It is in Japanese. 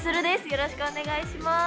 よろしくお願いします。